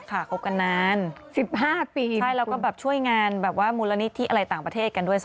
สาดีที่สาดีความยินดีด้วย